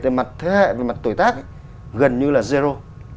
về mặt thế hệ về mặt tuổi tác gần như là zero